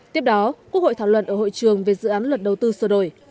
tiếp đó quốc hội thảo luận ở hội trường về dự án luật đầu tư sửa đổi